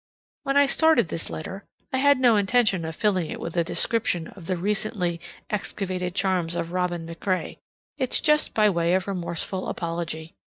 When I started this letter, I had no intention of filling it with a description of the recently excavated charms of Robin MacRae; it's just by way of remorseful apology.